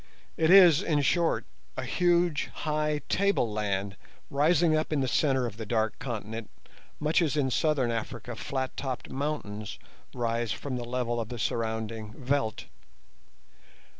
It is, in short, a huge, high tableland rising up in the centre of the dark continent, much as in southern Africa flat topped mountains rise from the level of the surrounding veldt.